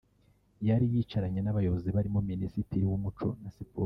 yari yicaranye n’abayobozi barimo Minisitiri w’Umuco na Siporo